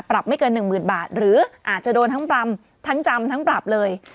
ปรับไม่เกินหนึ่งหมื่นบาทหรืออาจจะโดนทั้งปรำทั้งจำทั้งปรับเลย